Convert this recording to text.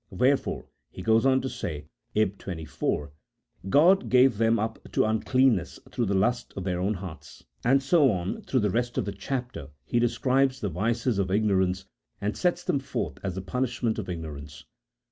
" Wherefore," he goes on to say (ib. 24), " God gave them up to uncleanness through the lusts of their own hearts ;" and so on, through the rest of the chapter, he describes the vices of ignorance, and sets them forth as the punishment of ignorance.